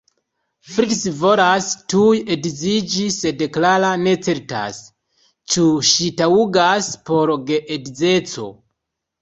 Fritz volas tuj edziĝi sed Clara ne certas, ĉu ŝi taŭgas por geedzeco.